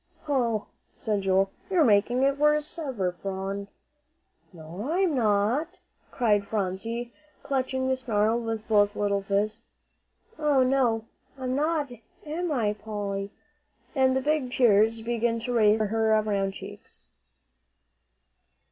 "Hoh!" said Joel, "you're making it worse'n ever, Phron." "No, I'm not," cried Phronsie, clutching the snarl with both little fists. "Oh, no, I'm not; am I, Polly?" And the big tears began to race over her round cheeks.